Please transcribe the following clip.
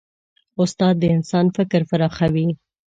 استاد د انسان فکر پراخوي.